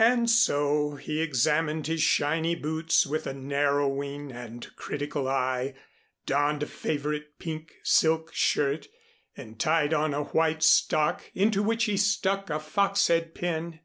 And so, he examined his shiny boots with a narrowing and critical eye, donned a favorite pink silk shirt and tied on a white stock into which he stuck a fox head pin.